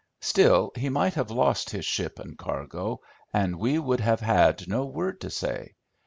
Still, he might have lost his ship and cargo, and we would have had no word to say.